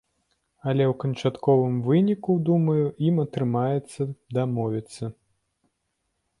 Але ў канчатковым выніку, думаю, ім атрымаецца дамовіцца.